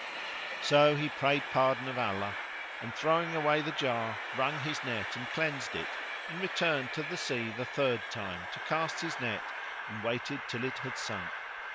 So he prayed pardon of Allah and, throwing away the jar, wrung his net and cleansed it and returned to the sea the third time to cast his net and waited till it had sunk.